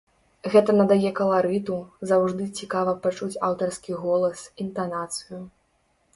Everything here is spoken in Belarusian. Гэта надае каларыту, заўжды цікава пачуць аўтарскі голас, інтанацыю.